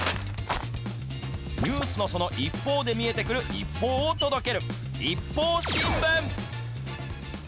ニュースのその一方で見えてくる一報を届ける。